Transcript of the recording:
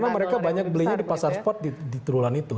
karena mereka banyak belinya di pasar spot di turulan itu